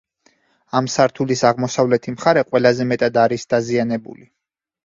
ამ სართულის აღმოსავლეთი მხარე ყველაზე მეტად არის დაზიანებული.